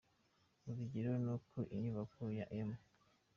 Urugero ni uko inyubako ya M.